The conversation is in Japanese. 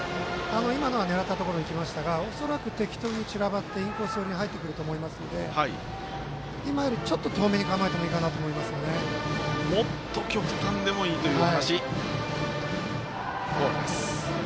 今のは狙ったところにきましたが恐らく、適当に散らばってインコース寄りに入ってくると思いますので今より、ちょっと遠めにもっと極端でもいいというお話。